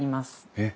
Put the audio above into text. えっ。